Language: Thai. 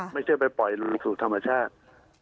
ไม่ใช่ไปปล่อยลงสู่ธรรมชาติ